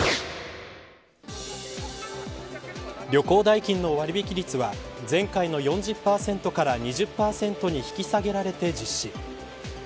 旅行代金の割引率は前回の４０％から２０％に引き下げられて実施。